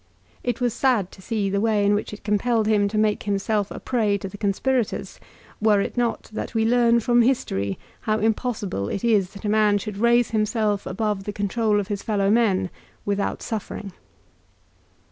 It was sad to see the way in which it compelled him to make himself a prey to the conspirators, were it not that we learn from history how impossible it is that a man should raise himself above the control of his fellow men without suffering.